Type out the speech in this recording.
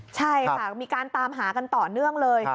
ใช่ค่ะมีการตามหากันต่อเนื่องเลย